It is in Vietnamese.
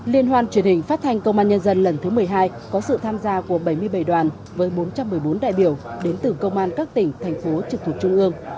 liên hoan truyền hình phát thanh công an nhân dân lần thứ một mươi hai có sự tham gia của bảy mươi bảy đoàn với bốn trăm một mươi bốn đại biểu đến từ công an các tỉnh thành phố trực thuộc trung ương